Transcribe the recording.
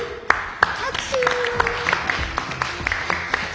拍手。